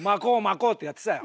こうってやってたよ。